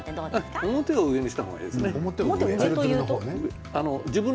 表を上にした方がいいですね。